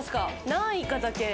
何位かだけ。